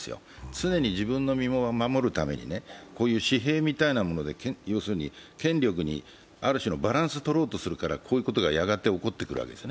常に自分の身を守るために私兵みたいなもので、権力にある種のバランスをとろうとするからこういうことがやがて起こってくるわけです。